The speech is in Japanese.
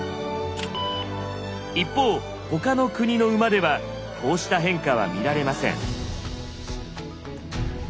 一方他の国の馬ではこうした変化は見られません。